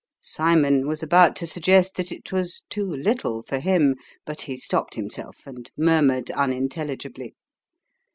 Cymon was about to suggest that it was too little for him, but he stopped himself, and murmured unintelligibly.